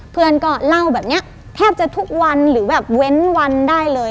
เพื่อนก็เล่าแบบนี้แทบจะทุกวันหรือแบบเว้นวันได้เลย